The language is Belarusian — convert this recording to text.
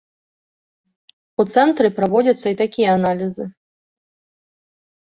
У цэнтры праводзяцца і такія аналізы.